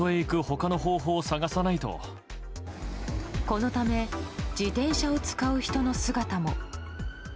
このため自転車を使う人の姿も。